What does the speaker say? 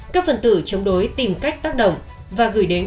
các phần tử chống đối tìm cách tăng cấp năng lực tăng cấp năng lực tăng cấp năng lực